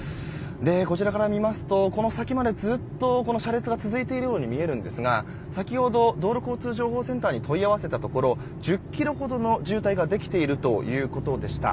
こちらから見ますとこの先までずっと車列が続いているように見えるんですが先ほど、道路交通情報センターに問い合わせたところ１０ｋｍほどの渋滞ができているとのことでした。